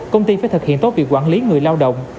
công ty phải thực hiện tốt việc quản lý người lao động